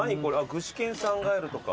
具志堅さんガエルとか。